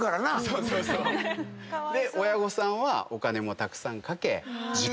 親御さんはお金もたくさんかけ時間も。